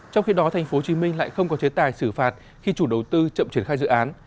trong khi đó tp hcm lại không có chế tài xử phạt khi chủ đầu tư chậm triển khai dự án